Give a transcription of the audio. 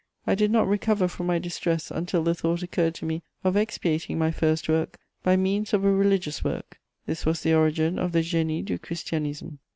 I did not recover from my distress until the thought occurred to me of expiating my first work by means of a religious work: this was the origin of the _Génie du Christianisme.